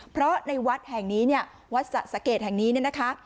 เพราะในวัดแห่งนี้เนี่ยวัดสะเกดแห่งนี้เนี่ยนะคะ